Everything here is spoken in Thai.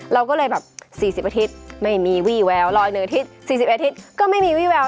เราก็เลยแบบ๔๐อาทิตย์ไม่มีวี่แววรอย๑อาทิตย์๔๐อาทิตย์ก็ไม่มีวี่แวว